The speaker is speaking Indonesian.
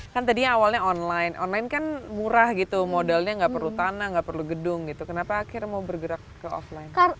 kan tadinya awalnya online online kan murah gitu modalnya nggak perlu tanah nggak perlu gedung gitu kenapa akhirnya mau bergerak ke offline